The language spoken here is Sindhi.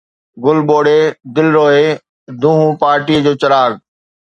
گل ٻوڙي، دل روئي، دونھون پارٽيءَ جو چراغ